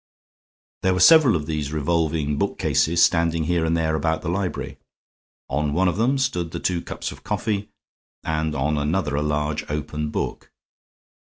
There were several of these revolving bookcases standing here and there about the library; on one of them stood the two cups of coffee, and on another a large open book.